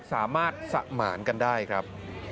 สามารถสมานกันได้ครับ